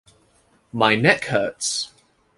My neck hurts.